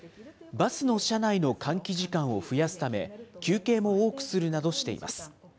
バスの車内の換気時間を増やすため、休憩も多くするなどしています。